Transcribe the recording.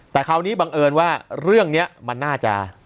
แต่คราวนี้บังเอิญว่าเรื่องนี้มันน่าจะ